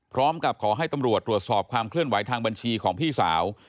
พร้อมกับขอให้ตำรวจตรวจสอบความเคลื่อนไหวทางบัญชีของพี่สาว